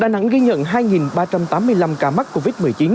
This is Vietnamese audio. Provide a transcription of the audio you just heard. năm một nghìn chín trăm tám mươi năm ca mắc covid một mươi chín